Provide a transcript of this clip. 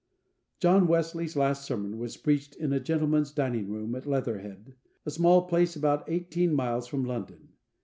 John Wesley's last sermon was preached in a gentleman's dining room, at Leatherhead, a small place about eighteen miles from London.